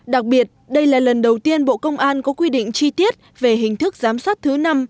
đặc biệt đây là lần đầu tiên bộ công an có quy định chi tiết về hình thức giám sát thứ năm